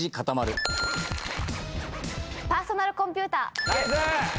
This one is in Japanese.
パーソナルコンピューター。